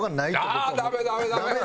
ああー！ダメダメダメ！